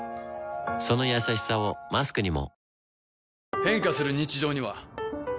そのやさしさをマスクにも